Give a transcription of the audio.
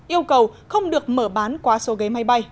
yêu cầu không được mở bán quá số ghế máy bay